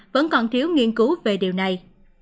vẫn còn thiếu nghiên cứu về điều này